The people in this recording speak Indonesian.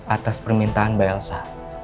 atas permintaan mbak elsa